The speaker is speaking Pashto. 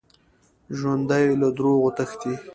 ژوندي له دروغو تښتي